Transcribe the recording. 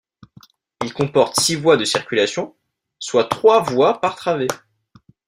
Il comporte six voies de circulation, soit trois voies par travée.